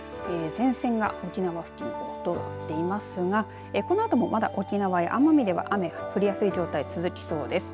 前線が沖縄付近を通っていますがこのあともまだ沖縄や奄美では雨降りやすい状態続きそうです。